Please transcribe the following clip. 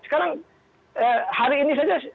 sekarang hari ini saja